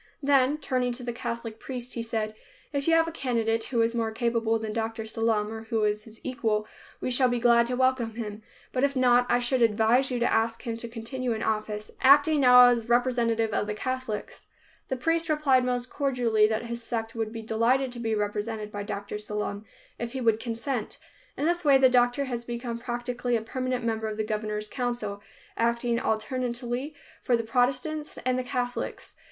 Then, turning to the Catholic priest, he said, "If you have a candidate who is more capable than Dr. Sallum or who is his equal, we shall be glad to welcome him, but if not, I should advise you to ask him to continue in office, acting now as representative of the Catholics." The priest replied most cordially that his sect would be delighted to be represented by Dr. Sallum, if he would consent. In this way the doctor has become practically a permanent member of the governor's council, acting alternately for the Protestants and the Catholics.